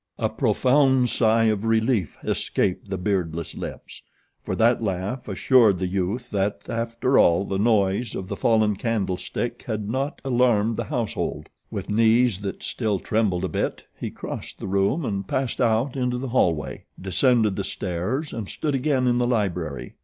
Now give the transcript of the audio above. A profound sigh of relief escaped the beardless lips; for that laugh assured the youth that, after all, the noise of the fallen candlestick had not alarmed the household. With knees that still trembled a bit he crossed the room and passed out into the hallway, descended the stairs, and stood again in the library.